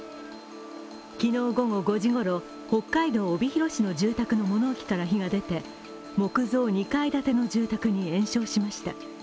昨日午後５時ごろ、北海道帯広市の住宅から火が出て木造２階建ての住宅に延焼しました。